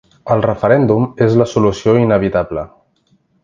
El referèndum és la solució inevitable.